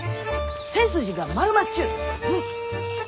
背筋が丸まっちゅう！